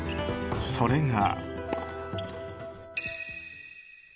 それが。